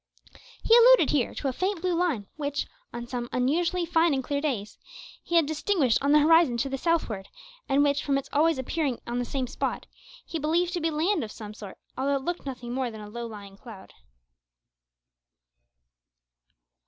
He alluded here to a faint blue line which, on unusually fine and clear days, he had distinguished on the horizon to the southward, and which, from its always appearing on the same spot, he believed to be land of some sort, although it looked nothing more than a low lying cloud.